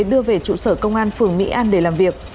đưa về trụ sở công an phường mỹ an để làm việc